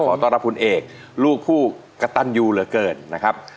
ต้อนรับคุณเอกลูกผู้กระตันยูเหลือเกินนะครับ